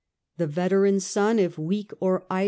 The veteran^s son. if weak or idle, A.